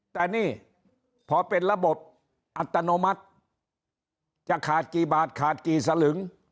แต่นี่พอเป็นระบบอัตโนมัติจะขาดกี่บาทขาดกี่สลึง